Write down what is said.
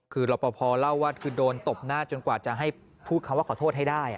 คือรอปภเล่าว่าคือโดนตบหน้าจนกว่าจะให้พูดคำว่าขอโทษให้ได้